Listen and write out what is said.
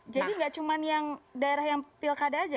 jadi enggak cuma daerah yang pilkada saja